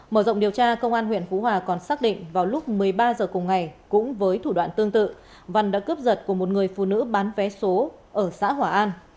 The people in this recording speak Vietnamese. mở rộng điều tra công an huyện phú hòa còn xác định vào lúc một mươi ba h cùng ngày cũng với thủ đoạn tương tự văn đã cướp giật của một người phụ nữ bán vé số ở xã hỏa an